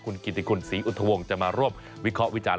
คุณกิติคุณศรีอุทวงศ์จะมาร่วมวิเคราะห์วิจารณ